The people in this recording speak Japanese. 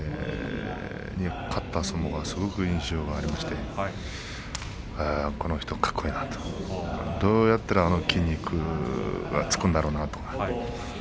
勝った相撲はすごく印象がありましてこの人かっこいいなとどうやったらあの筋肉がつくんだろうなと。